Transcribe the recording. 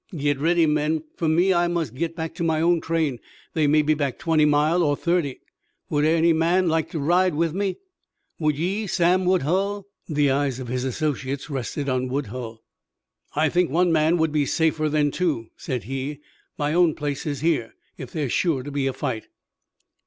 Git ready, men. Fer me, I must git back to my own train. They may be back twenty mile, or thirty. Would ary man want to ride with me? Would ye, Sam Woodhull?" The eyes of his associates rested on Woodhull. "I think one man would be safer than two," said he. "My own place is here if there's sure to be a fight."